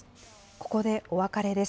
ここでお別れです。